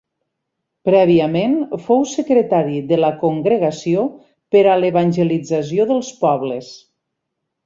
Prèviament fou secretari de la Congregació per a l’evangelització dels pobles.